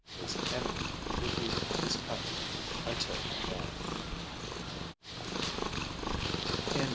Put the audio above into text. His enemy would be his company until the end.